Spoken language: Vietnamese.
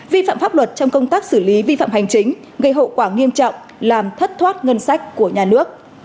vi phạm pháp luật trong công tác xử lý vi phạm hành chính gây hậu quả nghiêm trọng làm thất thoát ngân sách của nhà nước